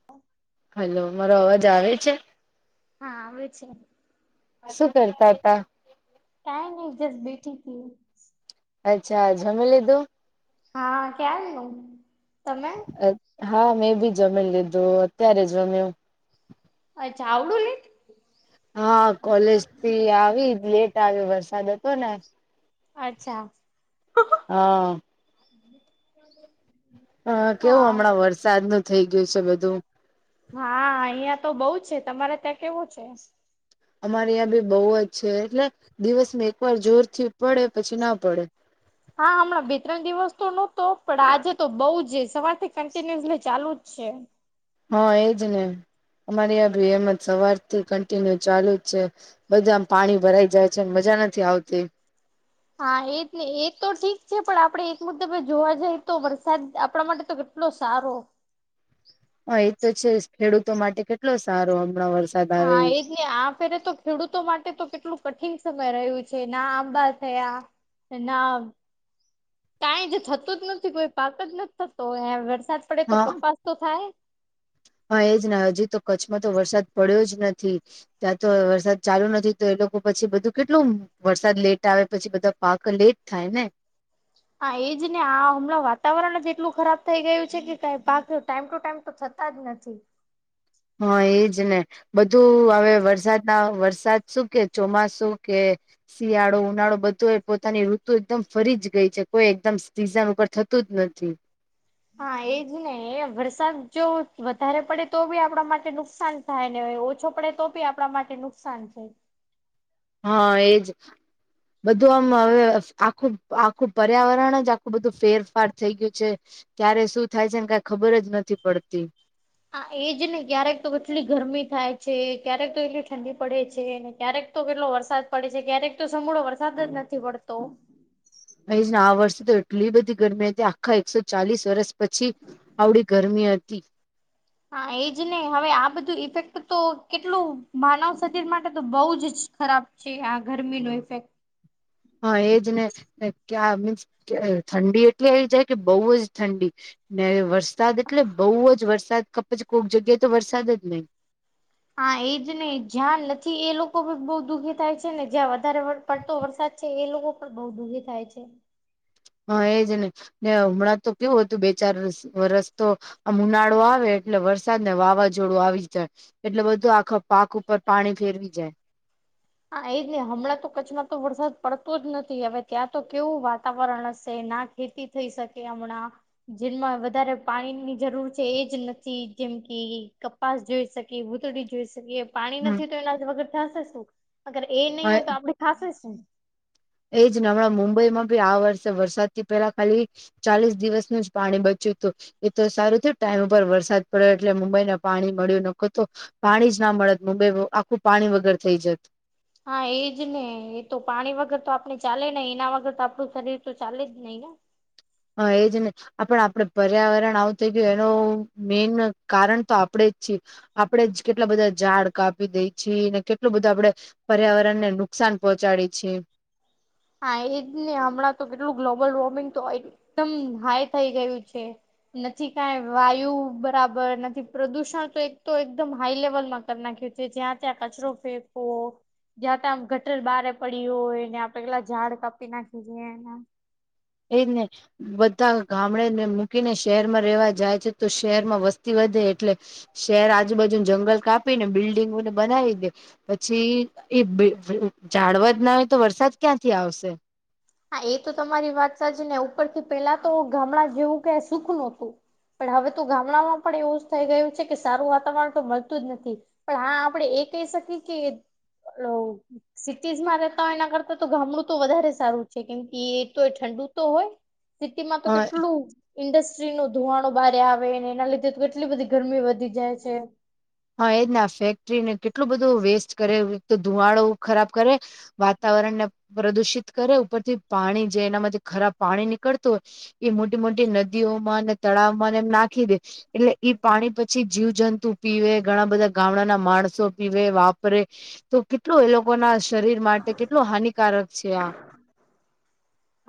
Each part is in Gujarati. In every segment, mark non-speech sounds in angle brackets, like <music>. <inaudible> હલો મારો અવાજ આવે છે? હા આવે છે. શું કરતા તા? કાઈ નહી જસ બેઠી તી. અચ્છા જમી લીધું? હા ક્યારનું. તમે? હા મેં બી જમી લીધું. અત્યારે જમયુ. અચ્છા આવડું લેટ? હા કોલેજ થી આવી લેટ આવ્યો વરસાદ હતો ને અચ્છા. હા હ કેવું હા હમણાં વરસાદ નું થઇ ગયું છે બધું. હા અહિયાં તો બઉ છે. તમારે ત્યાં કેવું છે? અમારે અયાં બી બહુ જ છે એટલે દિવસ એકવાર જોર થી પડે પછી ના પડે હા હમણાં બે ત્રણ દિવસ તો નહતો, પણ આજે તો બઉુ જ સવારથી કન્ટિન્યુઅસલી ચાલુ જ. છે. હા એજ ને અમારી આ ભી એમત સવારથી કન્ટિન્યુ ચાલુ જ છે. બધા આમ પાણી ભરાઈ જાય છે, મજા નથી આવતી. હા એજ હી એ તો ઠીક છે, પણ આપડે એક મુદબ જોવા જાય તો વરસાદ આપણા માટે તો એટલો સારો હા એ તો છે ખેડૂતો માટે કેટલો સારો હમણાં વર્ષ હા એ આ ફેરે તો ખેડૂતો માટે તો કેટલું કઠિન સમય રહ્યું છે. ના આંબા થયા નામ. કાઈ જ થતું જ નથી કોઈ પાક જ નથી થતો. એ વરસાદ પડે તો હા કપાસ તો થાય. હા એજ હજી તો કચ્છમાં તો વરસાદ પડ્યો જ નથી. ત્યાં તો વરસાદ ચાલુ નથી. તો એ લોકો પછી બધું કેટલું. વરસાદ લેટ આવે પછી બધા પાક લેટ થાય ને. હા એજ ને આ હમણાં વાતાવરણ જ એટલું ખરાબ થઈ ગયું છે, કે ક ભક ટાઈમ ટુ ટાઈમ તો થતુ તા જ નથી. હા એજ ને બધું હવે વરસાદ ના વરસાદ શું કે ચોમાસું કે શિયાળો, ઉનાળો બધો એ પોતાની ઋતુ એકદમ ફરી જ ગઈ છે. કોઈ એકદમ સિઝન ઉપર થતું જ નથી. હા એજ ને એ વરસાદ જો વધારે પડે તો બી આપણા માટે નુકસાન થાય ને ઓછો પડે તો બી આપણા માટે નુકસાન થાય. હા એજ. બધું આમ હવે આખું આખું પર્યાવરણ જ આખું બધું ફેરફાર થઈ ગયું છે. ક્યારે શું થાય છે ને કઈ ખબર જ નથી પડતી. હા એ જ ને ક્યારેક તો એટલી ગરમી થાય છે. ક્યારેક તો એટલી ઠંડી પડે છે ને ક્યારેક તો કેટલો વરસાદ પડે છે. ક્યારેક તો સંઘળો વરસાદ જ નથી પડતો. અહીને આ વર્ષે તો એટલી બધી ગરમી હતી આખા એકસો ચાલીસ વર્ષ પછી આવડી ગરમી હતી. હા એજ ને હવે આ બધું ઇફેક્ટ તો કેટલું માનવ શરીર માટે તો બઉુ જ ખરાબ છે આ ગરમી નો ઇફેક્ટ હા એજ ને ક મીન્સ ઠંડી એટલી આવી જાય કે બહુ જ ઠંડી ને વરસાદ એટલે બઉુ જ વરસાદ કપચ કોઈક જગ્યાએ તો વરસાદ જ નહી. હા એજ ને જ્યાન નથી એ લોકો ભી બહુ દુઃખી થાય છે ને જ્યાં વધારે પડતો વરસાદ છે એ લોકો પણ બહુ દુઃખી થાય છે. હા એજ ને ને હમણાં તો કેવું હતું બે ચાર વરસ તો આ ઉનાળો આવે એટલે વરસાદ ને વાવાઝોડું આવી જાય. એટલે બધું આખ પાક ઉપર પાણી ફેરવી જાય. હા એ જ નહી હમણાં તો કચ્છમાં તો વરસાદ પડતો જ નથી હવે ત્યાં તો કેવું વાતાવરણ હશે ના ખેતી થઈ શકે હમણાં જેમાં વધારે પાણીની જરૂર છે એજ નથી જેમ કે કપાસ જોઈ શકીએ ભૂતડી જોઈ શકીએ પાણી નથી હમ તો એના વગર થશે શું. અગર એ નહી હોય તો આપડે ખાસ એજ ને હમણાં મુંબઈ માં ભી આ વર્ષે વરસાદ થી પહેલા ખાલી ચાલીસ દિવસનું જ પાણી બચ્યું હતું. એ તો સારું થયું ટાઈમ ઉપર વરસાદ પડ્યો એટલે મુંબઈ પાણી મળ્યું નખો તો. પાણી જ ના મળત મુંબઈ આખું પાણી વગર થઈ જત હા એજ ને એ તો પાણી વગર તો આપણે ચાલે નહ એના વગર તો આપડું શરીર તો ચાલે જ નહી ને. હા એ જ ને. આપડ આપડે પર્યાવરણ આવું થઈ ગયું એનું મેન કારણ તો આપણેે જ છીએ. આપડે જ કેટલા બધા ઝાડ કાપી દે છીએ ને કેટલું બધું આપડે પર્યાવરણ ને નુકસાન પહોંચાડે છે. હા એજ ને હમણાં તો કેટલું ગ્લોબલ વોર્મિંગ તો હોય. એકદમ હાઈ થઈ ગયું છે. નથી કઈ વાયુ બરાબર નથી પ્રદુષણ તો એક તો એકદમ હાઈ લેવલમાં કરી નાખ્યું. જો ત્યાં ત્યાં કચરો ફેકો જ્યાં ત્યાં આમ ગટલ બારે પડી હોય ને આપડે પેલા ઝાડ કાપી નાખી છેએ એના. એ જ ને. બધા ગામડેને મૂકીને શહેરમાં રહેેવા જાય છે તો શહેર માં વસ્તી વધે એટલે શહેર આજુબાજુ ના જંગલ કાપી ને બિલ્ડીિંગોને બનાવી દે. પછી એ <unintelligible> ઝાડવજ ના હોય તો વરસાદ ક્યાંથી આવશે. હા એ તો તમારી વાત સાચી ને ઉપરથી પેલા તો ગામડા જેવું ક સુખ નહોતું. પણ હવે તો ગામડામાં પણ એવું જ થઈ ગયું છે કે સારું વાતાવરણ તો મળતું જ નથી. પણ હા આપડણે એ કહી શકીએ કે <unintelligible> સિટીઝમાં રેતા હોય એના કરતા તો ગામડું તો વધારે સારું છે કેમ કે એ તો ઠંડુ તો હોય સિટીમાં તો હા કેટલું ઇન્ડસ્ટ્રી નું ધુમાડો બારે આવે એના લીધે તો કેટલી બધી ગરમી વધી જાય છે. હા એજને ફેક્ટરીને કેટલું બધું વેસ્ટ કરે એક તો ધુવાડો ખરાબ કરે. વાતાવરણ ને પ્રદુષિત કરે ઉપરથી પાણી જે એનામાંથી ખરાબ પાણી નીકળતું હોય. એ મોટી મોટી નદીઓમાં ને તળાવમાં એમ નાખી દે એટલે ઈ પાણી પછી જીવજંતુ પીવે ઘણા બધા ગામડાના માણસો પીવે વાપરે તો કે કેટલું એ લોકો ના શરીર માટે કેટલું હાનિકારક છે આ.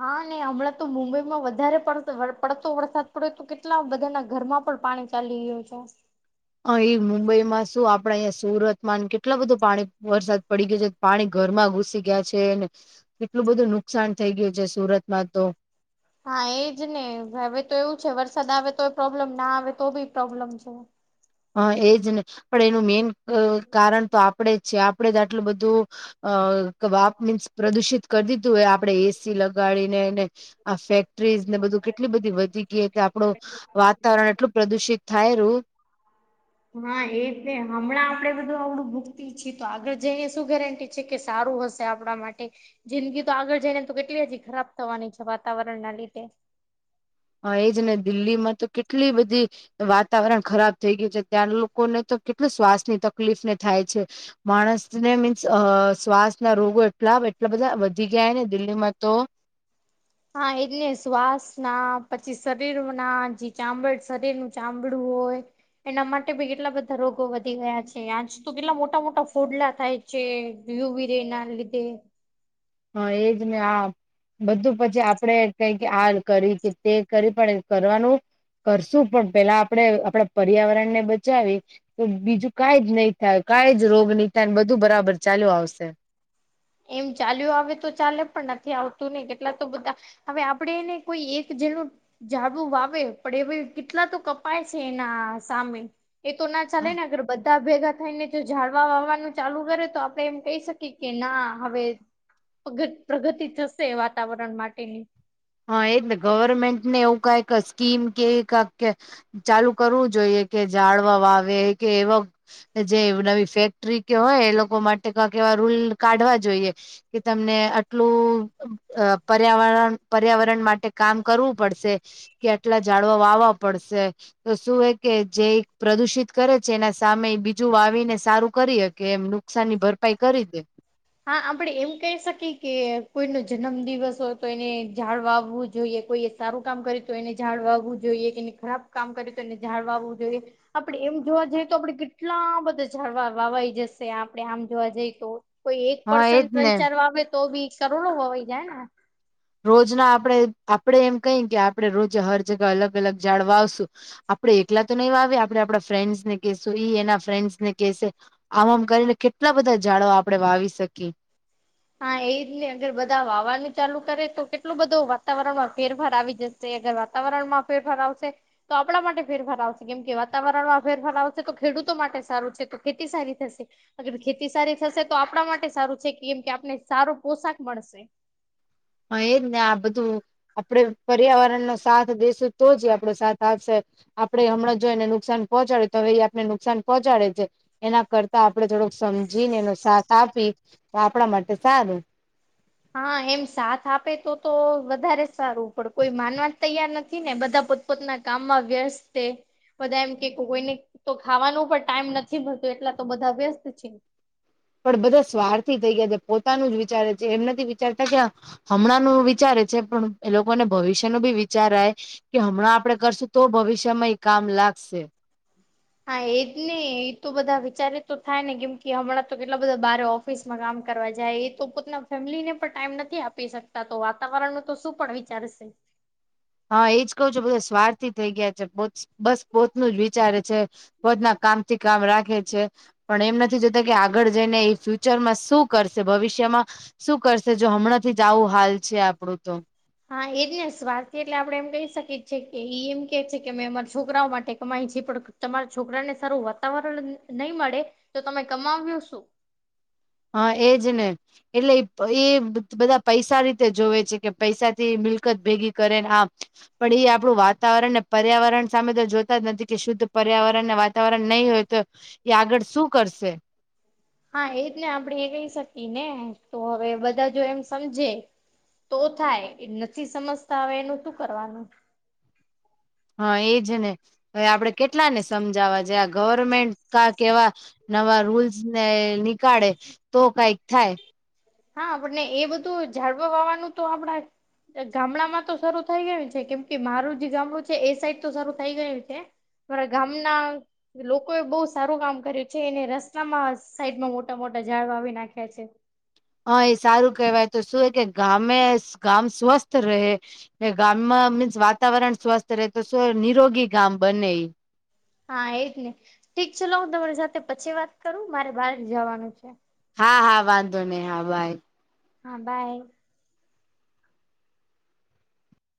હા ને હમણાં તો મુંબઈમાં વધારે પડ પડતો વરસાદ પડે તો કેટલા બધા ન ઘરમાં પણ પાણી ચલીઓ જાય. અ એ મુંબઈમાં શું આપડા અહીંયા સુરતમાં કેટલા બધું પાણી વરસાદ પડી ગયો છે. પાણી ઘરમાં ઘુસી ગયા છે ને કેટલું બધું નુકસાન થઈ ગયું છે સુરતમાં તો. હા એજ ને હવે તો એવું છે વરસાદ આવે તો એ પ્રોબ્લેમ ના આવે તો ભી પ્રોબ્લેમ છે. હા એજ ને પણ એનું મેઇન કારણ તો આપણેે જ છે આપણેે જ આટલું બધું <unintelligible> મીન્સ પ્રદુષિત કરી દીધું હોય આપણેે એસી લગાડીને એને આ ફેક્ટરીઝ ને બધું કેટલી બધી વધી ગઈ આપણું વાતાવરણ એટલું પ્રદુષિત થાય રું હા એ છે હમણાં આપડે બધું આવડું ભૂગતી છીએ તો આગળ જઈને શું ગેરેંટી છે કે સારું હશે આપણા માટે. જિંદગી તો આગળ જઈ ને તો કેટલી હજી ખરાબ થવાની છે વાતાવરણ ના લીધે. હા એજ ને દિલ્હી માં તો કેટલી બધી વાતાવરણ ખરાબ થઈ ગયું છે ત્યાંના લોકોને તો કેટલી શ્વાસની તકલીફ ને થાય છે. માણસને મીન્સ આ શ્વાસ ના રોગો એટલા એટલા બધા વધી ગયા ને દિલ્હીમાં તો હા એટલે શ્વાસ ના પછી શરીર ના જે ચામડું શરીરનું ચામડું હોય. એના માટે બી કેટલા બધા રોગો વધી ગયા છે આજ તો કેટલા મોટા મોટા ફોડલા થાય. છે યુવી રે ના લીધે. હા એજ ને આ બધું પછી આપણે કઈ કે આ કરી કે તે કરી પણ કરવાનું કરશું પણ પેલા આપણે આપણા પર્યાવરણ ને બચાવી તો બીજું કઈ જ નહી થાય કઈ જ રોગ નહી થાય બધું બરાબર ચાલુ આવશે. એમ ચાલ્યું આવે તો ચાલે પણ નથી આવતું ને કેટલા તો બધા હવે આપણેે એને કોઈ એક જે નું જાડવુ વાવે પણ એ કેટલા તો કપાય છે એના સામે. એ તો ના ચાલે ને અગર બધા ભેગા થાય ને જો જાળવા વાવાનું ચાલુ કરે તો આપડે એમ કહી શકીએ કે ના હવે પ્રગતિ પ્રગતિ થશે વાતાવરણ માટેની હા એજ ને ગવર્મેન્ટ ને એવું કઈક સ્કીમ કે કાઇક ચાલુ કરવું જોઈએ કે જાળવા વાવે કે એવા કે જે નવી ફેક્ટરી કે હોય એ લોકો માટે કાઇક એવા રૂલ કાઢવા જોઈએ કે તમને આટલું અ પર્યાવરણ પર્યાવરણ માટે કામ કરવું પડશે કે આટલા જાડવા વાવવા પડશે તો શું હે કે જે પ્રદુષિત કરે છે એના સામે બીજું વાવીને સારું કરીએ હકે એમનુ નુકસાન ની ભરપાઈ કરી દે હા આપડે એમ કહી શકીએ કે કોઈ નો જન્મ દિવસ હોય તો એને જાડ વાવવું જોઈએ કોઈ સારું કામ કરે તો એને ઝાડ વાવવું જોઈએ કે એને ખરાબ કામ કરે તો એને ઝાડ વાવવું જોઈએ આપડે એમ જોવા જઈએ તો આપણે કેટલા બધા જાડવા વવાઈ જશે આપડે આમ જોવા જઈ તો કોઈ એક હા પર્સન એજ ત્રણ ને ચાર વાવે તો બી કરોડો વવાઈ જાય ને રોજ ના આપણેે આપડે એમ કહી કે આપણે રોજે હર જગા અલગ અલગ જાડ વાવશું આપડે એકલા તો નહી વાવી આપણે આપણા ફ્રેન્ડસ ને કહેશું ઈ એના ફ્રેન્ડસ ને કેહેશે આમ આમ કરીને કેટલા બધા ઝાડો આપણે વાવી શકીએ હા એજ ને અગર બધા વાવાનું ચાલુ કરે તો કેટલું બધો વાતાવરણમાં ફેરફાર આવી જશે અગર વાતાવરણ માં ફેરફાર આવશે તો આપણા માટે ફેરફાર આવશે કેમ કે વાતાવરણમાં ફેરફાર આવશે તો ખેડૂતો માટે સારું છે તો ખેતી સારી થશે અગર ખેતી સારી થશે તો આપણા માટે સારું છે કેમ કે આપને સારો પોશાક મળશે હા એ જ ને આ બધું આપડે પર્યાવરણનો સાથ દેેશું તો જ આપડો સાથ આપશે આપડે હમણાં જો એને નુકસાન પહોચાડે તો એ આપને નુકસાન પહોંચાડે છે એના કરતા આપણે થોડુક સમજીને એનો સાથ આપી તો આપણા માટે સારું હા એમ સાથ આપે તો તો વધારે સારું પણ કોઈ માનવા તૈયાર નથી ને બધા પોતના કામમાં વ્યસ્ત છે બધા એમ કે કોઈને તો ખાવાનું પણ ટાઈમ નથી મળતો એટલા તો બધા વ્યસ્ત છે. પણ બધા સ્વારથી થઈ ગયા છે પોતાનું જ વિચારે છે એમ નથી વિચારતા કે હમણાં નું વિચારે છે પણ એ લોકોને ભવિષ્ય નું બી વિચારાય. કે હમણાં આપડે કરશું તો ભવિષ્યમાં એ કામ લાગશે. હા એજ ને એ તો બધા વિચારે તો થાય ને કેમ કે હમણાં તો કેટલા બધા બારે ઓફ ઓફિસમાં કામ કરવા જાય એ તો પોતાના ફેમિલીને પણ ટાઈમ નથી આપી શકતા તો વાતાવરણનું તો શું પણ વિચારશે. હા એજ કઉ છું બધા સ્વાર્થી થઈ ગયા છે પો બસ પોતનું જ વિચારે છે. પોતના કામથી કામ રાખે છે. પણ એમ નથી જોતા કે આગળ જઈને એ ફ્યુચરમાં શું કરશે ભવિષ્યમાં શું કરશે જો હમણાંથી જ આવો હાલ છે આપડું તો હા એજ ને સ્વાર્થી એટલે આપડે એમ કહી શકીએ છે કે ઈ એમ કે છે કે અમે અમારા છોકરાઓ માટે કમાય છે પણ તમારા છોકરા ને સારું વાતાવરણ નહીં મળે તો તમે કમાવ્યો શું હા એજ ને એટલે એ એ બધા પૈસા રીતે જોવે છે કે પૈસાથી મિલકત ભેગી કરેને આમ પણ એ આપણું વાતાવરણ ને પર્યાવરણ સામે તો જોતા જ નથી કે શુદ્ધ પર્યાવરણ ને વા વાતાવરણ નહી હોય તો એ આગળ શું કરશે. હા એજ ને આપણે એ કહી શકીએ ને તો હવે બધા જો એમ સમજે તો થાય એ નથી સમજતા હવે એનું શું કરવાનું. હા એજ ને હવે આપડે કેટલા ને સમજાવા જે આ ગવર્મેન્ટ કા કેવા નવા રૂલ્સ ને નીકાળે તો કઈક થાય. હા આપને એ બધું ઝાડવા વાવાનું તો આપણા ગામડામાં તો શરૂ થઈ ગયું છે કેમ કે મારું જે ગામડું છે એ સાઈડ તો શરૂ થઇ ગયું છે. મારા ગામના લોકોએ બહુ સારું કામ કર્યું છે એને રસ્તામાં સાઈડમાં મોટા મોટા ઝાડ વાવી નાખ્યા છે. હા એ સારું કેહેવાય તો શું કે ગામે ગામ સ્વસ્થ રહે. ગામમાં મીન્સ વાતાવરણ સ્વસ્થ રહે તો શું એ નિરોગી ગામ બને. હા એજ ને ઠીક છેલો હું તમારી સાથે પછી વાત કરું મારે બહાર જવાનું છે. હા હા વાંધો નહી હા બાય. હા બાય.